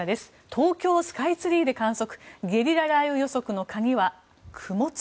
東京スカイツリーで観測ゲリラ雷雨予測の鍵は雲粒。